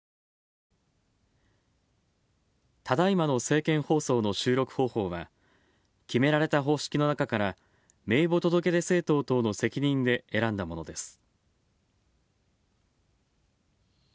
ただいまの政見放送の収録方法は、決められた方式の中から名簿届出政党等の責任で選んだものです。